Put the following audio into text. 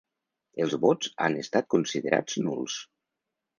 Els vots han estat considerats nuls.